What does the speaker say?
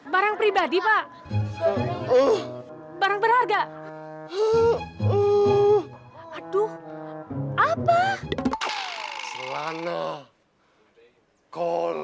barang pribadi pak